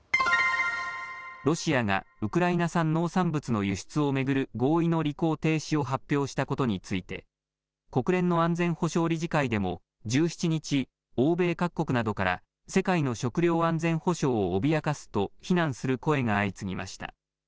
ロシアがウクライナ産農産物の輸出を巡る合意の履行停止を発表したことについて国連の安全保障理事会でも１７日、欧米各国などから世界の食料安全保障を脅かすと非難する声が相次ぎました。